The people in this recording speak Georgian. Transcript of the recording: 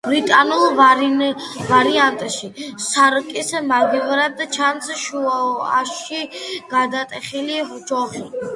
ბრიტანულ ვარიანტში სარკის მაგივრად ჩანს შუაში გადატეხილი ჯოხი.